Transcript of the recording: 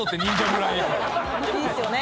いいっすよね。